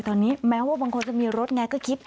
ตอนนี้แม้ว่าบางคนจะมีรถไงก็คิด